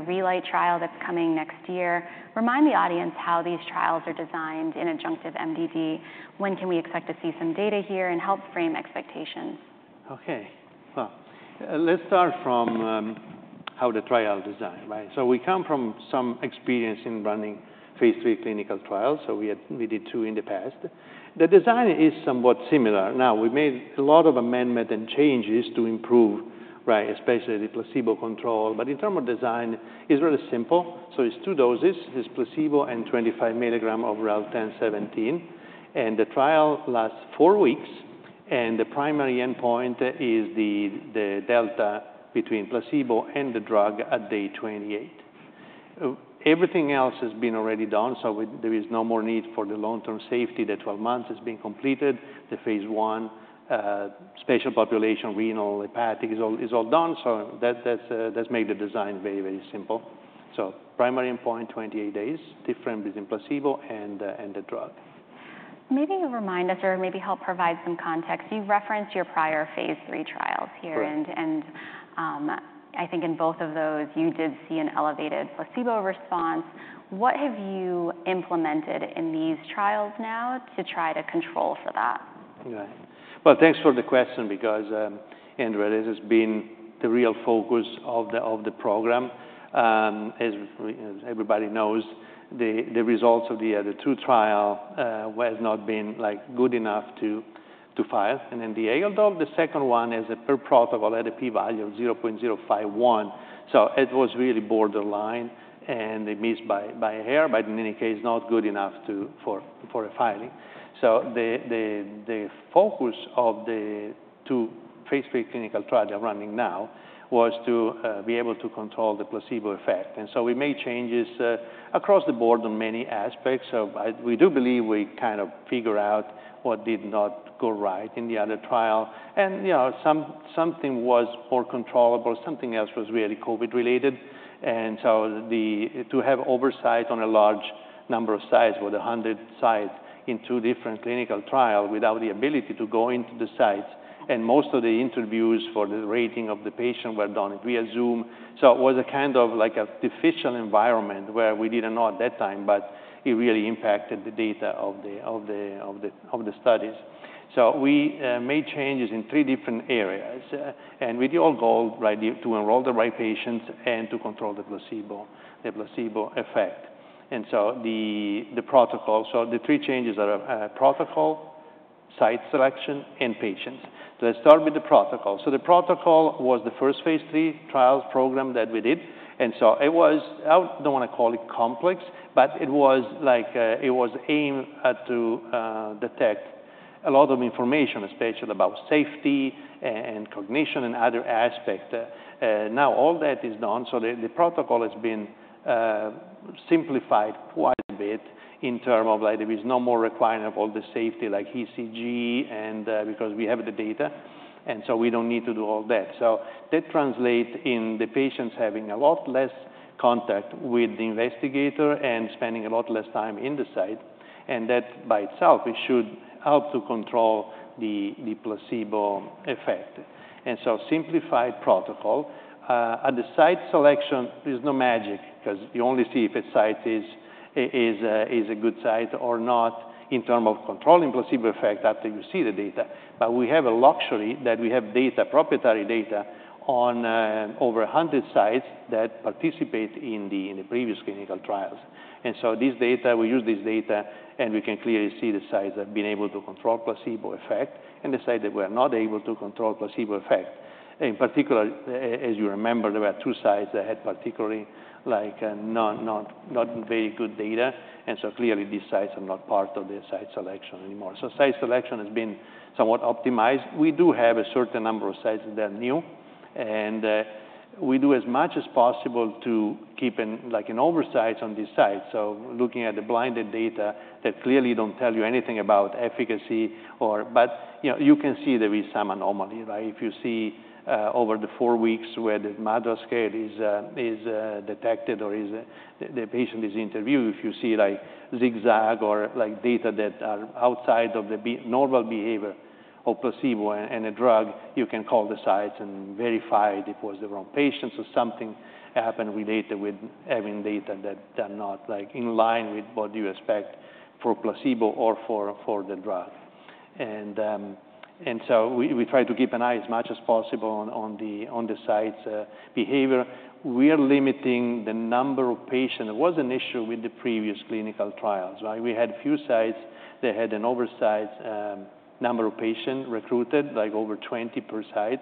Your Relight trial that's coming next year. Remind the audience how these trials are designed in adjunctive MDD. When can we expect to see some data here and help frame expectations? OK. Well, let's start from how the trial is designed, right? So we come from some experience in running phase III clinical trials. So we did two in the past. The design is somewhat similar. Now, we made a lot of amendments and changes to improve, right, especially the placebo control. But in terms of design, it's really simple. So it's two doses, placebo and 25 mg of REL-1017. And the trial lasts four weeks. And the primary endpoint is the delta between placebo and the drug at day 28. Everything else has been already done. So there is no more need for the long-term safety. The 12 months has been completed. The phase I special population, renal, hepatic, is all done. So that's made the design very, very simple. So primary endpoint, 28 days, difference between placebo and the drug. Maybe you'll remind us or maybe help provide some context. You've referenced your prior phase III trials here. I think in both of those, you did see an elevated placebo response. What have you implemented in these trials now to try to control for that? Well, thanks for the question because, Andrea, this has been the real focus of the program. As everybody knows, the results of the other two trials have not been good enough to file. The, [inaudible] the second one, is a per protocol at a p-value of 0.051. It was really borderline and missed by a hair, but in any case, not good enough for a filing. The focus of the two phase III clinical trials they're running now was to be able to control the placebo effect. We made changes across the board on many aspects. We do believe we kind of figured out what did not go right in the other trial. Something was more controllable. Something else was really COVID-related. So, to have oversight on a large number of sites, with 100 sites in two different clinical trials, without the ability to go into the sites. Most of the interviews for the rating of the patient were done via Zoom. It was a kind of like a difficult environment where we didn't know at that time, but it really impacted the data of the studies. We made changes in three different areas. With the old goal, right, to enroll the right patients and to control the placebo effect. The protocol, so the three changes are protocol, site selection, and patients. Let's start with the protocol. The protocol was the first phase III trials program that we did. It was, I don't want to call it complex, but it was like it was aimed to detect a lot of information, especially about safety and cognition and other aspects. Now, all that is done. The protocol has been simplified quite a bit in terms of like there is no more requirement of all the safety like ECG and because we have the data. We don't need to do all that. That translates in the patients having a lot less contact with the investigator and spending a lot less time in the site. And that by itself, it should help to control the placebo effect. So simplified protocol. At the site selection, there's no magic because you only see if a site is a good site or not in terms of controlling placebo effect after you see the data. But we have a luxury that we have data, proprietary data on over 100 sites that participate in the previous clinical trials. And so this data, we use this data, and we can clearly see the sites that have been able to control placebo effect and the sites that were not able to control placebo effect. In particular, as you remember, there were two sites that had particularly like not very good data. And so clearly, these sites are not part of the site selection anymore. So site selection has been somewhat optimized. We do have a certain number of sites that are new. And we do as much as possible to keep like an oversight on these sites. So looking at the blinded data that clearly don't tell you anything about efficacy. But you can see there is some anomaly, right? If you see over the four weeks where the MADRS scale is detected or the patient is interviewed, if you see like zigzag or like data that are outside of the normal behavior of placebo and a drug, you can call the sites and verify it was the wrong patient. So something happened related with having data that are not like in line with what you expect for placebo or for the drug. And so we try to keep an eye as much as possible on the site's behavior. We are limiting the number of patients. There was an issue with the previous clinical trials, right? We had a few sites that had an oversized number of patients recruited, like over 20 per site.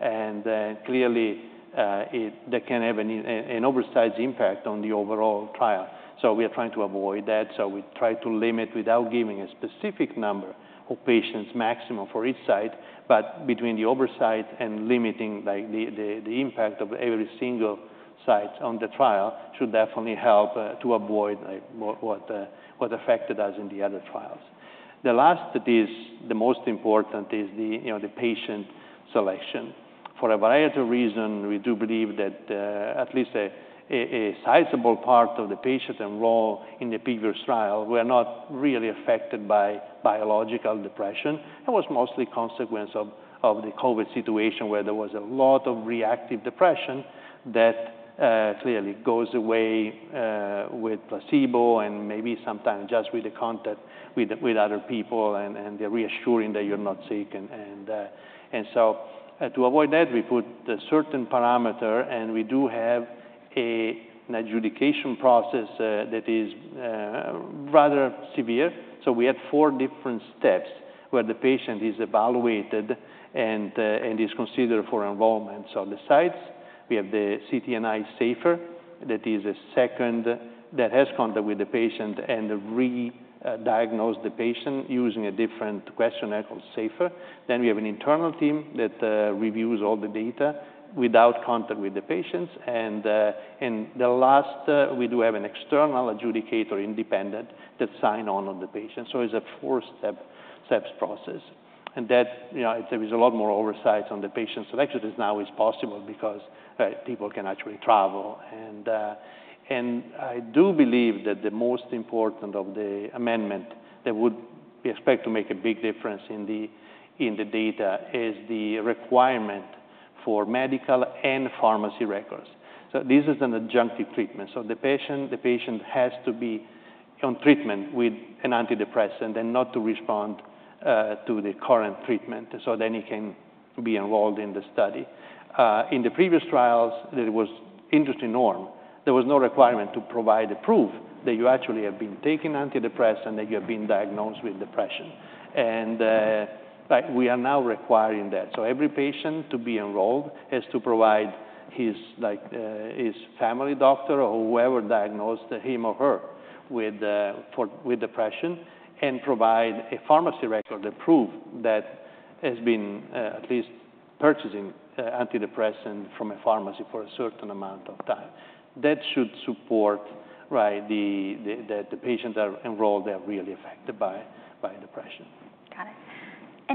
And clearly, that can have an oversized impact on the overall trial. So we are trying to avoid that. So we try to limit without giving a specific number of patients maximum for each site. But between the oversight and limiting like the impact of every single site on the trial should definitely help to avoid what affected us in the other trials. The last that is the most important is the patient selection. For a variety of reasons, we do believe that at least a sizable part of the patients enrolled in the previous trial were not really affected by biological depression. It was mostly a consequence of the COVID situation where there was a lot of reactive depression that clearly goes away with placebo and maybe sometimes just with the contact with other people and the reassurance that you're not sick. And so to avoid that, we put a certain parameter. And we do have an adjudication process that is rather severe. So we had four different steps where the patient is evaluated and is considered for enrollment. So the sites, we have the CTNI SAFER, that is a second site that has contact with the patient and rediagnoses the patient using a different questionnaire called SAFER. Then we have an internal team that reviews all the data without contact with the patients. And the last, we do have an external independent adjudicator that signs off on the patient. So it's a four-step process. And there is a lot more oversight on the patient selection, which is now possible because people can actually travel. And I do believe that the most important amendment that would be expected to make a big difference in the data is the requirement for medical and pharmacy records. So this is an adjunctive treatment. The patient has to be on treatment with an antidepressant and not to respond to the current treatment. Then he can be enrolled in the study. In the previous trials, there was industry norm. There was no requirement to provide a proof that you actually have been taking antidepressants and that you have been diagnosed with depression. And we are now requiring that. Every patient to be enrolled has to provide his family doctor or whoever diagnosed him or her with depression and provide a pharmacy record that proves that he has been at least purchasing antidepressants from a pharmacy for a certain amount of time. That should support, right, that the patients that are enrolled are really affected by depression. Got it.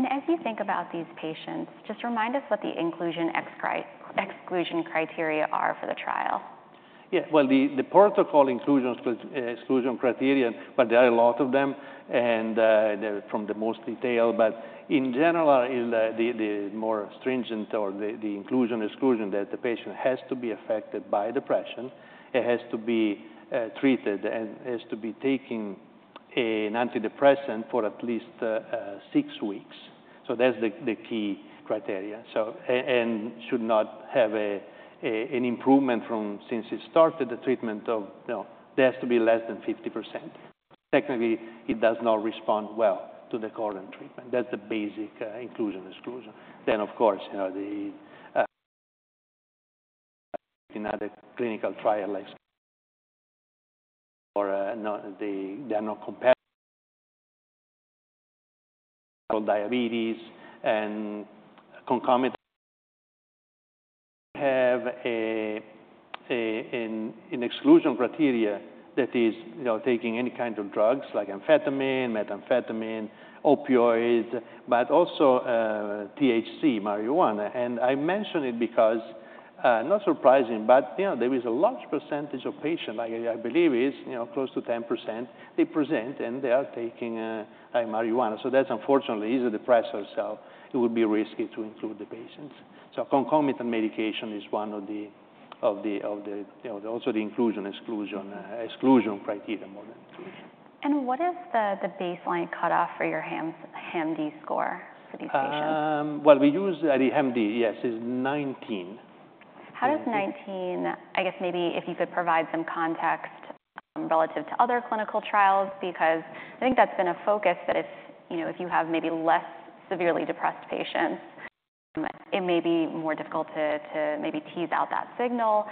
As you think about these patients, just remind us what the inclusion exclusion criteria are for the trial? Yeah. Well, the protocol inclusion exclusion criteria, but there are a lot of them. From the most detail. But in general, the more stringent or the inclusion exclusion that the patient has to be affected by depression, it has to be treated and has to be taking an antidepressant for at least six weeks. So that's the key criteria. Should not have an improvement since he started the treatment of, there has to be less than 50%. Technically, he does not respond well to the current treatment. That's the basic inclusion exclusion. Then, of course, the other clinical trials, like they are not compatible. Diabetes and concomitant have an exclusion criteria that is taking any kind of drugs like amphetamine, methamphetamine, opioids, but also THC, marijuana. I mention it because, not surprisingly, but there is a large percentage of patients. I believe it's close to 10%. They present and they are taking marijuana. So that's unfortunately easy to exclude. So it would be risky to include the patients. So concomitant medication is one of the also the inclusion exclusion criteria more than inclusion. What is the baseline cutoff for your HAM-D score for these patients? Well, we use the HAM-D, yes, is 19. How does 19, I guess maybe if you could provide some context relative to other clinical trials, because I think that's been a focus that if you have maybe less severely depressed patients, it may be more difficult to maybe tease out that signal.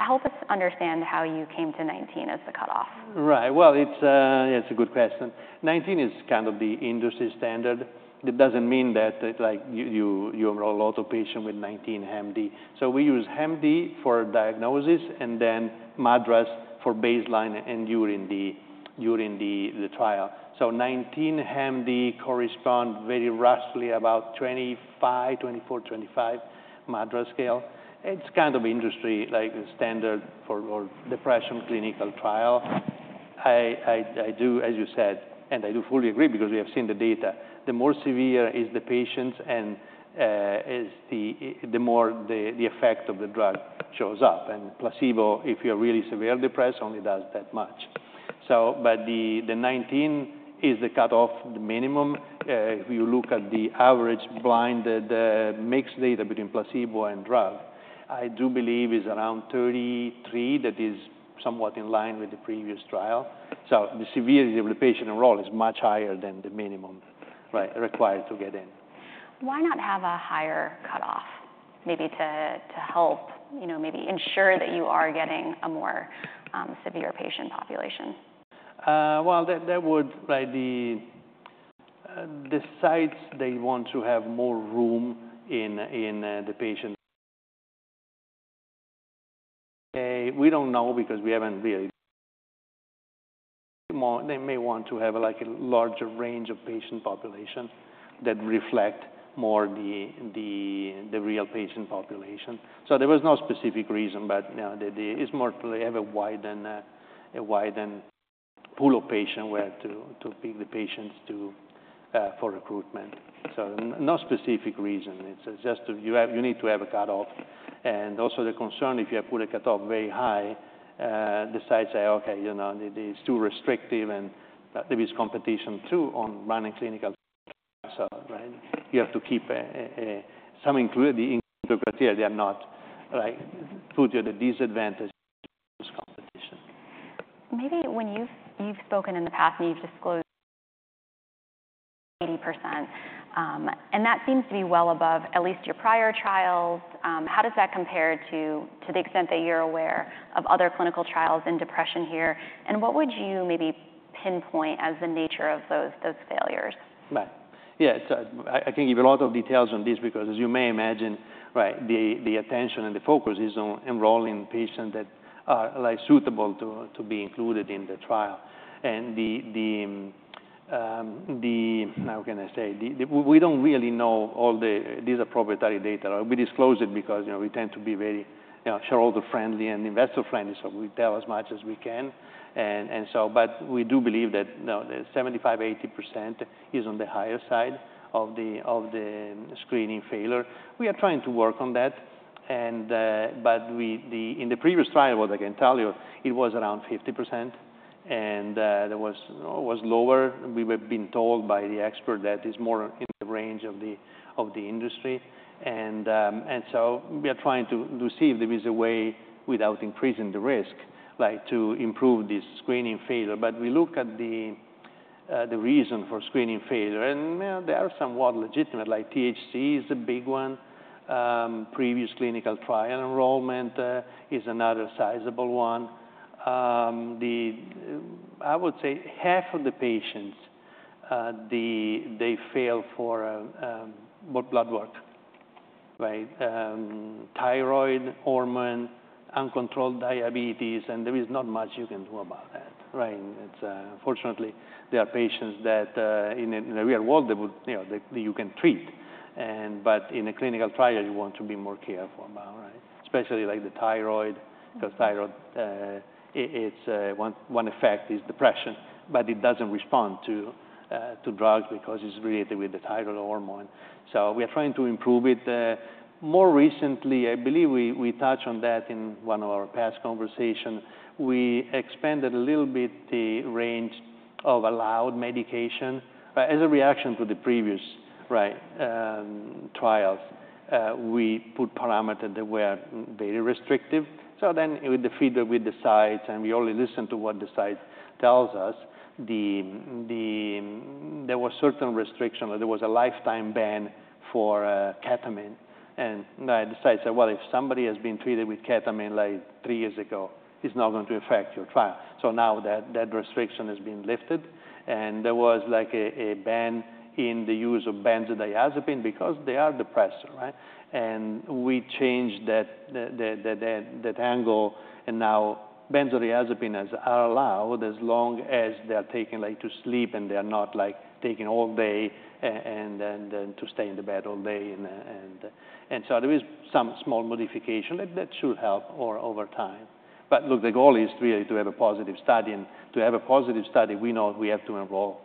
Help us understand how you came to 19 as the cutoff. Right. Well, it's a good question. 19 is kind of the industry standard. It doesn't mean that you enroll a lot of patients with 19 HAM-D. So we use HAM-D for diagnosis and then MADRS for baseline and during the trial. So 19 HAM-D corresponds very roughly about 24, 25 MADRS scale. It's kind of industry standard for depression clinical trial. I do, as you said, and I do fully agree because we have seen the data. The more severe is the patient and the more the effect of the drug shows up. And placebo, if you're really severely depressed, only does that much. But the 19 is the cutoff, the minimum. If you look at the average blinded mixed data between placebo and drug, I do believe is around 33. That is somewhat in line with the previous trial. The severity of the patient enrolled is much higher than the minimum required to get in. Why not have a higher cutoff maybe to help maybe ensure that you are getting a more severe patient population? Well, the sites, they want to have more room in the patient. We don't know because we haven't really. They may want to have like a larger range of patient population that reflect more the real patient population. So there was no specific reason, but it's more to have a widened pool of patients where to pick the patients for recruitment. So no specific reason. It's just you need to have a cutoff. And also the concern, if you have put a cutoff very high, the sites say, OK, you know it's too restrictive. And there is competition too on running clinical trials. So you have to keep some included in the criteria. They are not put at a disadvantage to competition. Maybe when you've spoken in the past and you've disclosed 80%, and that seems to be well above at least your prior trials, how does that compare to the extent that you're aware of other clinical trials in depression here? And what would you maybe pinpoint as the nature of those failures? Yeah. So I can give you a lot of details on this because, as you may imagine, right, the attention and the focus is on enrolling patients that are suitable to be included in the trial. And, how can I say, we don't really know all the, these are proprietary data. We disclose it because we tend to be very shareholder-friendly and investor-friendly. So we tell as much as we can. And so, but we do believe that 75%, 80% is on the higher side of the screening failure. We are trying to work on that. But in the previous trial, what I can tell you, it was around 50%. And it was lower. We have been told by the expert that it's more in the range of the industry. We are trying to see if there is a way without increasing the risk to improve this screening failure. We look at the reason for screening failure. There are some more legitimate, like THC is a big one. Previous clinical trial enrollment is another sizable one. I would say half of the patients, they fail for blood work, right? Thyroid hormone, uncontrolled diabetes. There is not much you can do about that, right? Unfortunately, there are patients that in the real world, you can treat. In a clinical trial, you want to be more careful about, right? Especially like the thyroid because thyroid, one effect is depression. But it doesn't respond to drugs because it's related with the thyroid hormone. So we are trying to improve it. More recently, I believe we touched on that in one of our past conversations. We expanded a little bit the range of allowed medication. But as a reaction to the previous trials, we put parameters that were very restrictive. So then with the feedback with the sites and we only listen to what the site tells us, there was certain restriction. There was a lifetime ban for ketamine. And the sites said, well, if somebody has been treated with ketamine like three years ago, it's not going to affect your trial. So now that restriction has been lifted. And there was like a ban in the use of benzodiazepine because they are depressed, right? And we changed that angle. And now benzodiazepines are allowed as long as they are taken to sleep and they are not taken all day and to stay in the bed all day. And so there is some small modification that should help over time. But look, the goal is really to have a positive study. To have a positive study, we know we have to enroll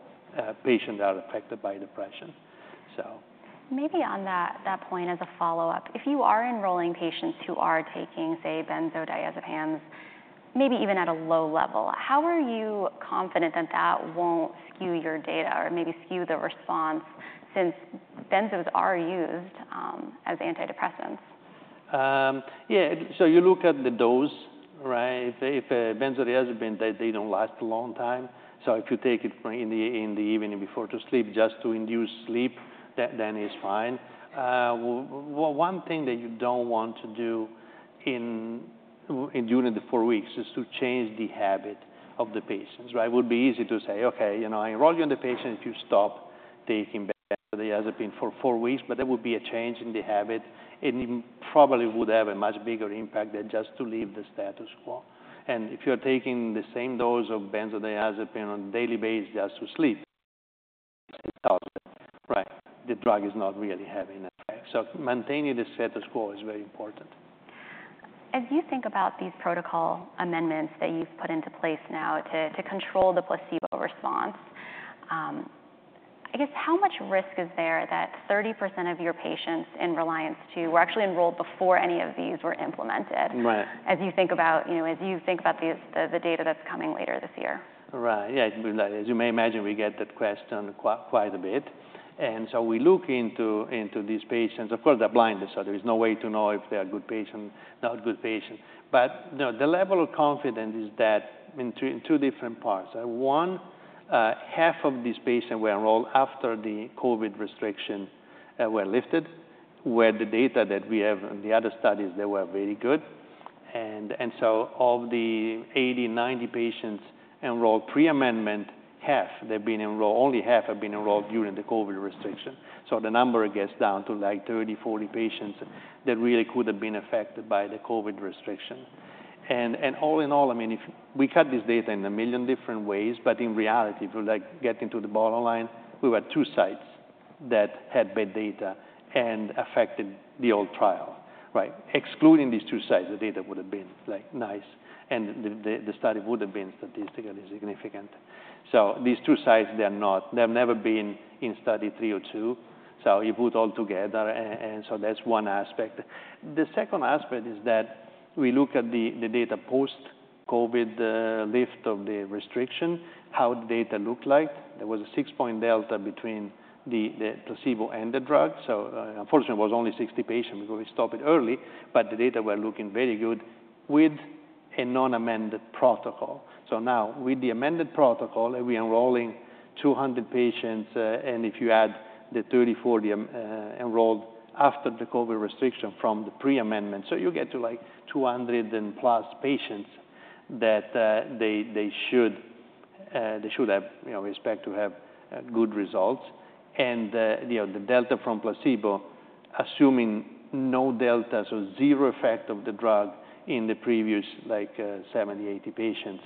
patients that are affected by depression. Maybe on that point as a follow-up, if you are enrolling patients who are taking, say, benzodiazepines, maybe even at a low level, how are you confident that that won't skew your data or maybe skew the response since benzos are used as antidepressants? Yeah. So you look at the dose, right? If benzodiazepines, they don't last a long time. So if you take it in the evening before to sleep just to induce sleep, then it's fine. One thing that you don't want to do during the four weeks is to change the habit of the patients, right? It would be easy to say, OK, you know I enroll you as the patient if you stop taking benzodiazepines for four weeks. But that would be a change in the habit. It probably would have a much bigger impact than just to leave the status quo. And if you're taking the same dose of benzodiazepine on a daily basis just to sleep, right, the drug is not really having an effect. So maintaining the status quo is very important. As you think about these protocol amendments that you've put into place now to control the placebo response, I guess how much risk is there that 30% of your patients in Reliance II were actually enrolled before any of these were implemented? As you think about the data that's coming later this year. Right. Yeah. As you may imagine, we get that question quite a bit. And so we look into these patients. Of course, they're blinded. So there is no way to know if they are good patients, not good patients. But the level of confidence is that in two different parts. One, half of these patients were enrolled after the COVID restrictions were lifted, where the data that we have in the other studies that were very good. And so of the 80-90 patients enrolled pre-amendment, half, only half have been enrolled during the COVID restriction. So the number gets down to like 30-40 patients that really could have been affected by the COVID restriction. And all in all, I mean, we cut this data in a million different ways. But in reality, if you get into the bottom line, we were two sites that had bad data and affected the whole trial, right? Excluding these two sites, the data would have been nice. The study would have been statistically significant. These two sites, they've never been in study 3 or 2. You put all together. That's one aspect. The second aspect is that we look at the data post-COVID lift of the restriction, how the data looked like. There was a 6-point delta between the placebo and the drug. Unfortunately, it was only 60 patients because we stopped it early. But the data were looking very good with a non-amended protocol. Now with the amended protocol, we are enrolling 200 patients. And if you add the 30, 40 enrolled after the COVID restriction from the pre-amendment, so you get to like 200+ patients that they should have, expect to have good results. And the delta from placebo, assuming no delta, so zero effect of the drug in the previous 70, 80 patients,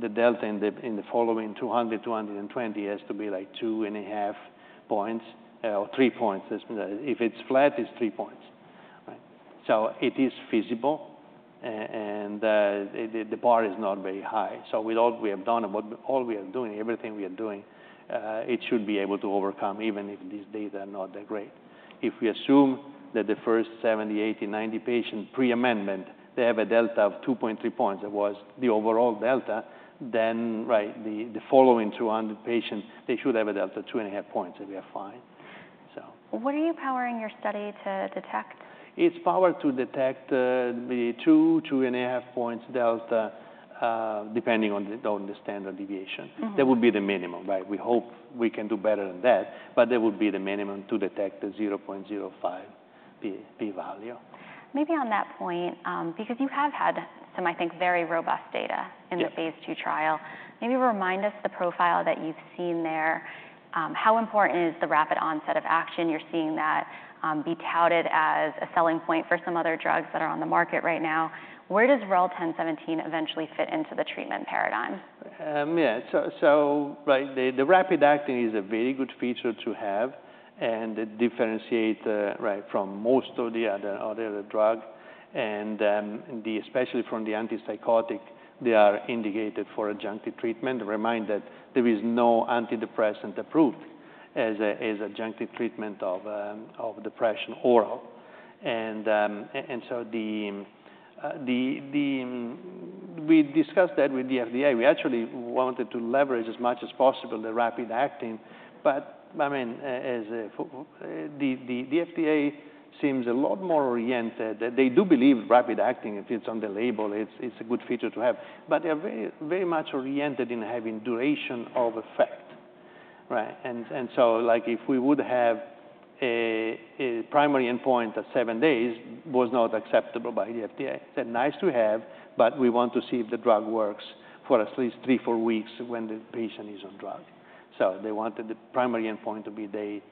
the delta in the following 200, 220 has to be like 2.5 points or 3 points. If it's flat, it's 3 points. So it is feasible. And the bar is not very high. So with all we have done, all we are doing, everything we are doing, it should be able to overcome even if these data are not that great. If we assume that the first 70, 80, 90 patients pre-amendment, they have a delta of 2.3 points. That was the overall delta. Then the following 200 patients, they should have a delta of 2.5 points. We are fine. What are you powering your study to detect? It's powered to detect maybe 2 points, 2.5 points delta depending on the standard deviation. That would be the minimum, right? We hope we can do better than that. But that would be the minimum to detect the 0.05 p-value. Maybe on that point, because you have had some, I think, very robust data in the phase II trial, maybe remind us the profile that you've seen there. How important is the rapid onset of action? You're seeing that be touted as a selling point for some other drugs that are on the market right now. Where does Relmada Therapeutics 1017 eventually fit into the treatment paradigm? Yeah. So the rapid acting is a very good feature to have and differentiate from most of the other drugs. And especially from the antipsychotic, they are indicated for adjunctive treatment. Remember that there is no antidepressant approved as adjunctive treatment of depression oral. And so we discussed that with the FDA. We actually wanted to leverage as much as possible the rapid acting. But I mean, the FDA seems a lot more oriented. They do believe rapid acting, if it's on the label, it's a good feature to have. But they are very much oriented in having duration of effect, right? And so if we would have a primary endpoint of 7 days was not acceptable by the FDA. They're nice to have, but we want to see if the drug works for at least 3-4 weeks when the patient is on drug. So they wanted the primary endpoint to be day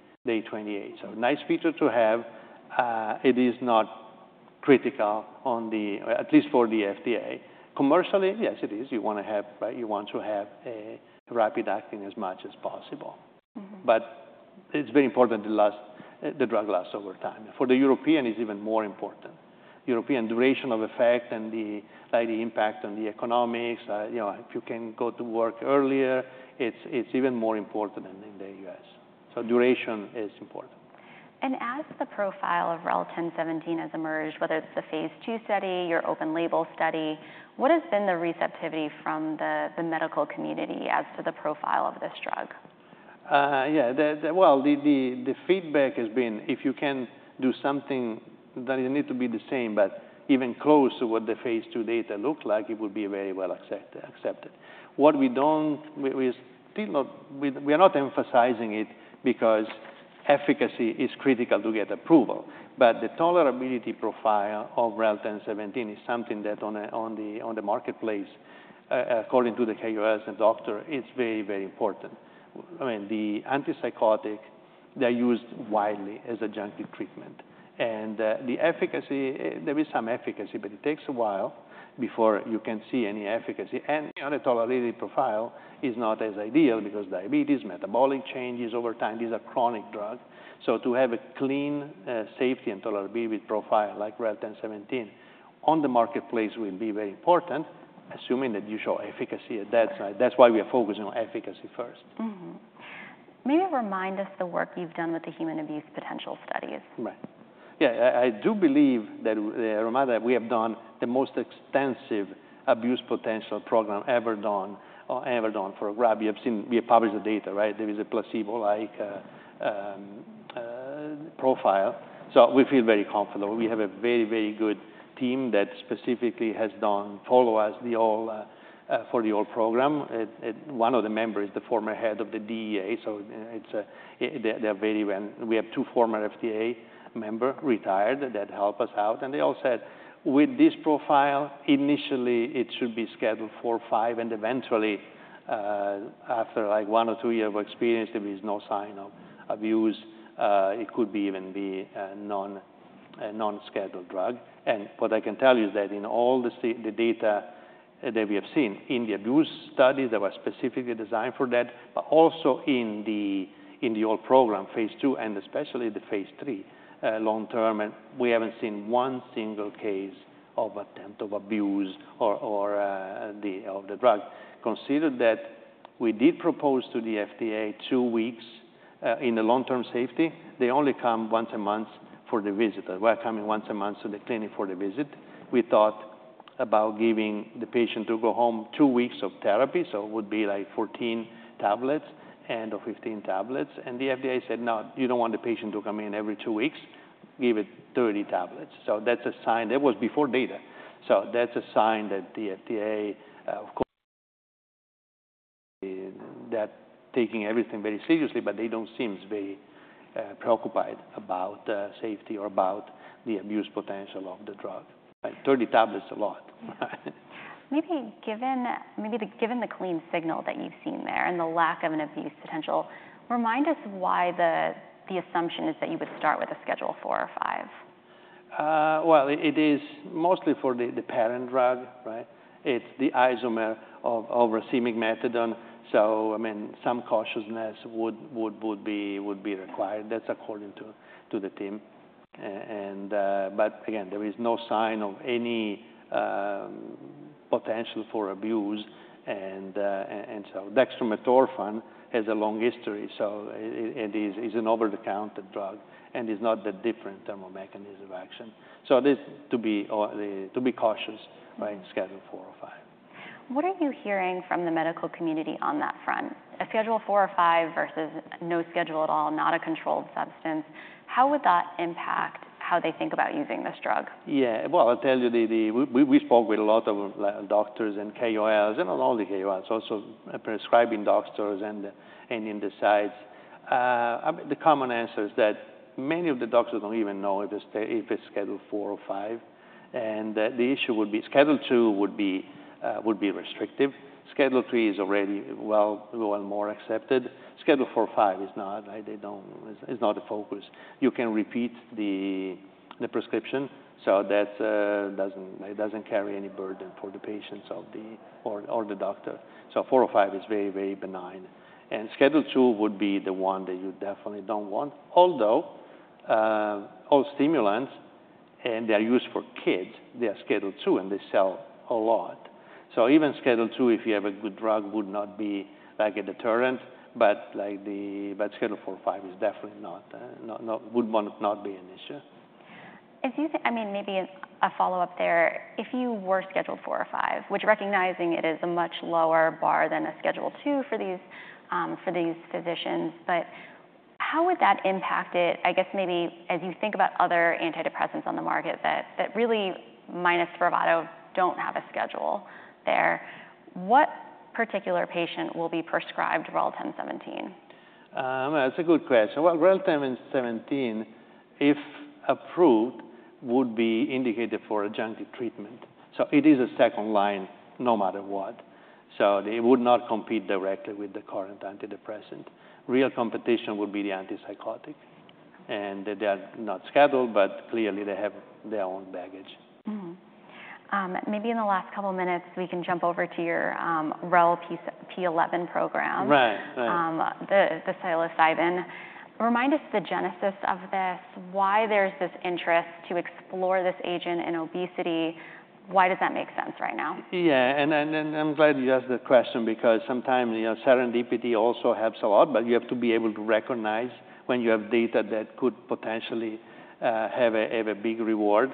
28. So nice feature to have. It is not critical on the, at least for the FDA. Commercially, yes, it is. You want to have a rapid acting as much as possible. But it's very important the drug lasts over time. For the European, it's even more important. European duration of effect and the impact on the economics, if you can go to work earlier, it's even more important than in the U.S. So duration is important. As the profile of REL-1017 has emerged, whether it's the phase II study, your open label study, what has been the receptivity from the medical community as to the profile of this drug? Yeah. Well, the feedback has been, if you can do something that doesn't need to be the same, but even close to what the phase II data look like, it would be very well accepted. We are not emphasizing it because efficacy is critical to get approval. But the tolerability profile of REL-1017 is something that on the marketplace, according to the KOLs and doctor, it's very, very important. I mean, the antipsychotic, they're used widely as adjunctive treatment. And the efficacy, there is some efficacy, but it takes a while before you can see any efficacy. And the tolerability profile is not as ideal because diabetes, metabolic changes over time, these are chronic drugs. So to have a clean safety and tolerability profile like REL-1017 on the marketplace will be very important, assuming that you show efficacy at that. That's why we are focusing on efficacy first. Maybe remind us the work you've done with the human abuse potential studies? Right. Yeah. I do believe that Relmada Therapeutics' REL-1017, we have done the most extensive abuse potential program ever done for a drug. We have published the data, right? There is a placebo-like profile. So we feel very comfortable. We have a very, very good team that specifically has done follow-up for the whole program. One of the members is the former head of the DEA. So they are very well. We have two former FDA members, retired, that help us out. And they all said with this profile, initially, it should be Schedule IV/Schedule V. And eventually, after like one or two years of experience, there is no sign of abuse. It could even be a non-scheduled drug. What I can tell you is that in all the data that we have seen in the abuse studies that were specifically designed for that, but also in the whole program, phase II and especially the phase III long-term, we haven't seen one single case of attempt of abuse of the drug. Consider that we did propose to the FDA two weeks in the long-term safety. They only come once a month for the visit. We're coming once a month to the clinic for the visit. We thought about giving the patient to go home two weeks of therapy. So it would be like 14 tablets and/or 15 tablets. And the FDA said, "No, you don't want the patient to come in every two weeks. Give it 30 tablets". So that's a sign. That was before data. That's a sign that the FDA, of course, taking everything very seriously, but they don't seem very preoccupied about safety or about the abuse potential of the drug. 30 tablets is a lot. Maybe given the clean signal that you've seen there and the lack of an abuse potential, remind us why the assumption is that you would start with a Schedule IV or Schedule V. Well, it is mostly for the parent drug, right? It's the isomer of racemic methadone. So I mean, some cautiousness would be required. That's according to the team. But again, there is no sign of any potential for abuse. And so dextromethorphan has a long history. So it is an over-the-counter drug. And it's not that different from the mechanism of action. So there is to be cautious in Schedule IV or Schedule V. What are you hearing from the medical community on that front? A Schedule IV or Schedule V versus no schedule at all, not a controlled substance, how would that impact how they think about using this drug? Yeah. Well, I'll tell you, we spoke with a lot of doctors and KOLs and not only KOLs, also prescribing doctors and in the sites. The common answer is that many of the doctors don't even know if it's Schedule IV or Schedule V. And the issue would be Schedule II would be restrictive. Schedule III is already well more accepted. Schedule IV or Schedule V is not. It's not the focus. You can repeat the prescription. So that doesn't carry any burden for the patients or the doctor. So IV or V is very, very benign. And Schedule II would be the one that you definitely don't want. Although all stimulants, and they are used for kids, they are Schedule II. And they sell a lot. So even Schedule II, if you have a good drug, would not be like a deterrent. Schedule IV or Schedule V is definitely not, would not be an issue. I mean, maybe a follow-up there. If you were Schedule IV or Schedule V, which, recognizing it is a much lower bar than a Schedule II for these physicians, but how would that impact it? I guess maybe as you think about other antidepressants on the market that really, minus Spravato, don't have a schedule there, what particular patient will be prescribed REL-1017? That's a good question. Well, REL-1017, if approved, would be indicated for adjunctive treatment. So it is a second line no matter what. So it would not compete directly with the current antidepressant. Real competition would be the antipsychotic. And they are not scheduled, but clearly they have their own baggage. Maybe in the last couple of minutes, we can jump over to your REL-P11 program. Right, right. The psilocybin. Remind us the genesis of this. Why there's this interest to explore this agent in obesity? Why does that make sense right now? Yeah. And I'm glad you asked the question because sometimes serendipity also helps a lot. But you have to be able to recognize when you have data that could potentially have a big reward.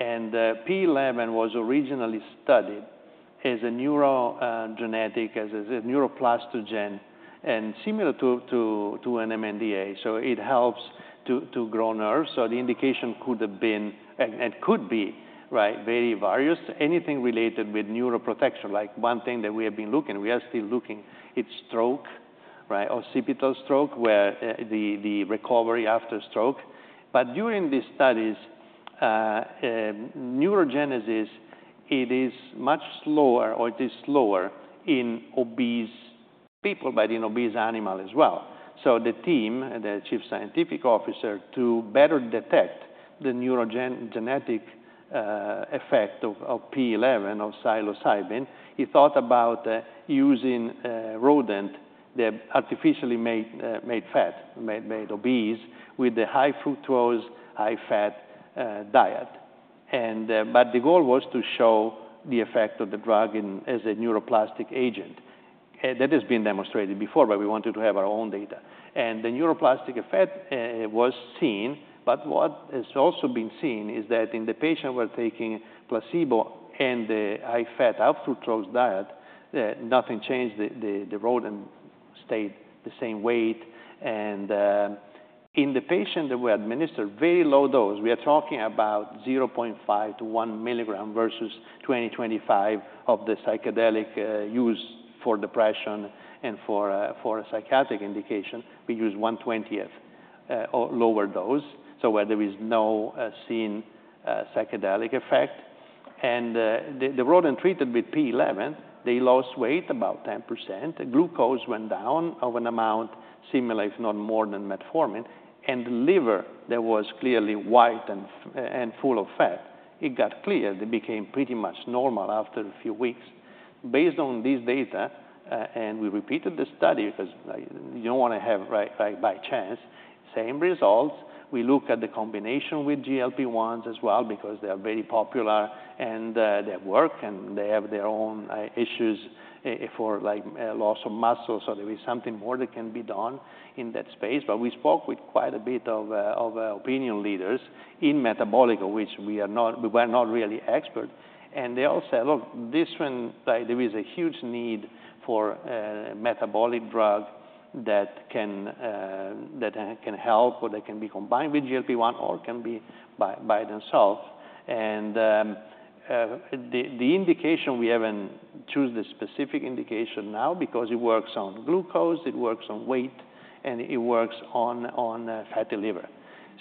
And P11 was originally studied as a neurogenic, as a neuroplastogen, and similar to an NMDA. So it helps to grow nerves. So the indication could have been, and could be, very various. Anything related with neuroprotection, like one thing that we have been looking, we are still looking, it's stroke, occipital stroke, where the recovery after stroke. But during these studies, neurogenesis, it is much slower, or it is slower in obese people, but in obese animals as well. So the team, the Chief Scientific Officer, to better detect the neurogenic effect of P11, of psilocybin, he thought about using rodent, the artificially made fat, made obese, with the high fructose, high fat diet. But the goal was to show the effect of the drug as a neuroplastic agent. That has been demonstrated before, but we wanted to have our own data. And the neuroplastic effect was seen. But what has also been seen is that in the rodents who were taking placebo and the high-fat atherogenic diet, nothing changed. The rodent stayed the same weight. And in the rodents that were administered very low dose, we are talking about 0.5-1 mg versus 20-25 mg of the psychedelic used for depression and for a psychiatric indication. We used 1/20th or lower dose, so where there is no seen psychedelic effect. And the rodent treated with P11, they lost weight about 10%. Glucose went down of an amount similar, if not more than metformin. And the liver that was clearly white and full of fat, it got clear. They became pretty much normal after a few weeks. Based on these data, we repeated the study because you don't want to have by chance same results. We look at the combination with GLP-1s as well because they are very popular. And they work. And they have their own issues for loss of muscle. So there is something more that can be done in that space. But we spoke with quite a bit of opinion leaders in metabolic, which we were not really experts. And they all said, look, this one, there is a huge need for a metabolic drug that can help or that can be combined with GLP-1 or can be by themselves. And the indication, we haven't chosen the specific indication now because it works on glucose. It works on weight. And it works on fatty liver.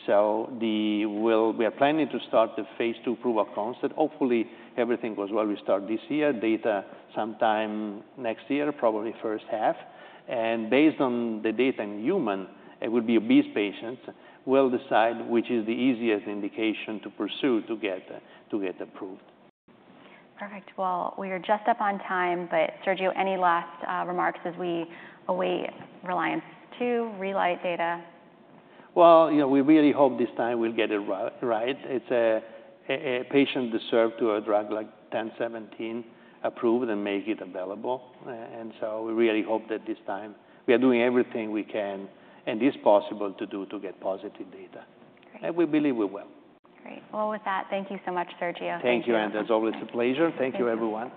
We are planning to start the phase II proof-of-concept. Hopefully, everything goes well. We start this year. Data sometime next year, probably first half. Based on the data in human, it would be obese patients will decide which is the easiest indication to pursue to get approved. Perfect. Well, we are just up on time. But Sergio, any last remarks as we await Reliance II Relight data? Well, we really hope this time we'll get it right. A patient deserves to have a drug like 1017 approved and make it available. So we really hope that this time we are doing everything we can and is possible to do to get positive data. We believe we will. Great. Well, with that, thank you so much, Sergio. Thank you. As always, it's a pleasure. Thank you, everyone.